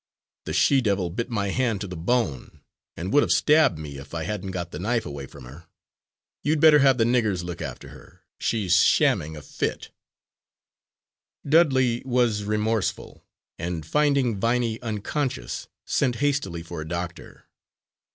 The she devil bit my hand to the bone, and would have stabbed me if I hadn't got the knife away from her. You'd better have the niggers look after her; she's shamming a fit." Dudley was remorseful, and finding Viney unconscious, sent hastily for a doctor.